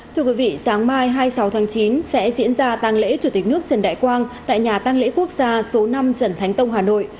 thưa quý vị sáng mai hai mươi sáu tháng chín sẽ diễn ra tăng lễ chủ tịch nước trần đại quang tại nhà tăng lễ quốc gia số năm trần thánh tông hà nội